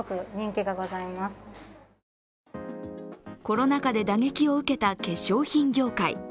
コロナ禍で打撃を受けた化粧品業界。